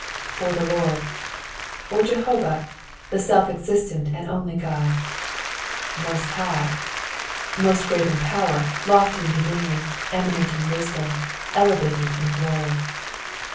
2. "Far the Lord," or Jebotau, the Belf exiBtent and onlj God;"JVti>f hifh," most great id power, lofty in dominion, eminent in wisdom, elevated ia glory.